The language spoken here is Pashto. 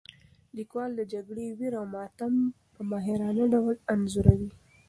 لیکوال د جګړې ویر او ماتم په ماهرانه ډول انځوروي.